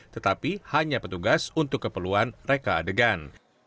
tetapi hanya petugas untuk keperluan reka adegan